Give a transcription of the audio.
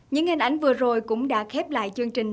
những hình ảnh vừa rồi cũng đã khép lại chương trình